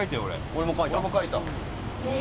俺も書いた。